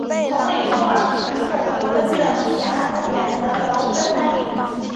同位于墨尔本运动和娱乐区的雅拉公园则由分开营运。